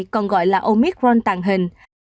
còn gọi là omicron tàng hình